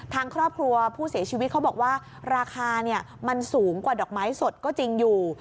ทางครอบครัวผู้เสียชีวิตเขาบอกว่าราคามันสูงกว่าดอกไม้สดก็จริงอยู่